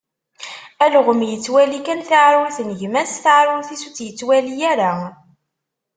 Alɣem yettwali kan taɛrurt n gma-s, taɛrurt-is ur tt-yettwali ara.